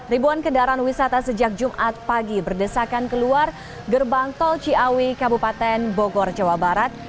ribuan kendaraan wisata sejak jumat pagi berdesakan keluar gerbang tol ciawi kabupaten bogor jawa barat